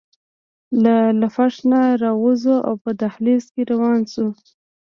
له لفټ نه راووځو او په دهلېز کې روان شو.